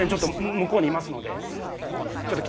向こうにいますので。